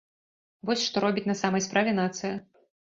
Вось што робіць на самай справе нацыя.